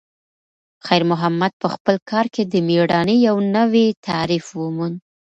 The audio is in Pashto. خیر محمد په خپل کار کې د میړانې یو نوی تعریف وموند.